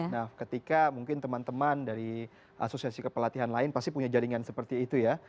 nah ketika mungkin teman teman dari asosiasi kepelatihan lain pasti punya jaringan seperti itu ya